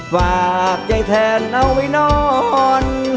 ฝากใจแทนเอาไว้นอน